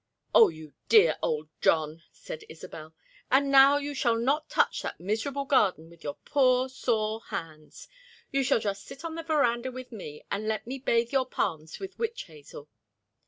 "Oh, you dear old John!" said Isobel. "And now you shall not touch that miserable garden with your poor sore hands. You shall just sit on the veranda with me and let me bathe your palms with witch hazel."